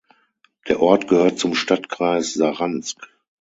Der Ort gehört zum Stadtkreis Saransk.